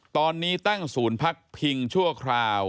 ตอนนี้ตั้งศูนย์พักพิงชั่วคราว